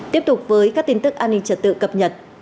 tiếp tục với các tin tức an ninh trật tự cập nhật